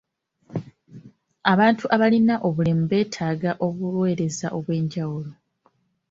Abantu abalina obulemu beetaaga obuweereza obw'enjawulo.